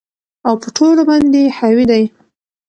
او په ټولو باندي حاوي دى